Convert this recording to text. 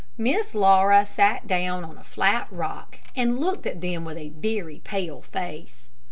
Miss Laura sat down on a flat rock, and looked at them with a very pale face.